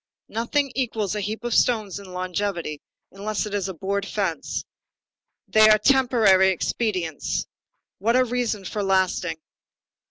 Nothing equals a heap of stones in longevity, unless it is a board fence. They are temporary expedients. What a reason for lasting!